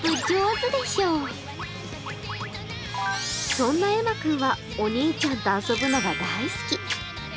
そんなエマ君はお兄ちゃんと遊ぶのが大好き。